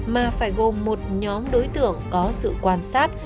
mà phải gồm một nhóm đối tượng có sự quan sát